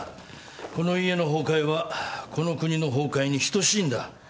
この家の崩壊はこの国の崩壊に等しいんだ。